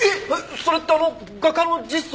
それってあの画家の実相寺！？